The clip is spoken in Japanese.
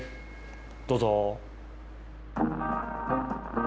どうぞ。